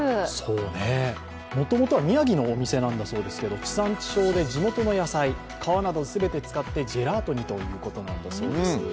もともとは宮城のお店なんだそうですけれども、地産地消で地元の材料をジェラートにということなんだそうです。